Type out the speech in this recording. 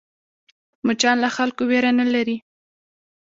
مچان له خلکو وېره نه لري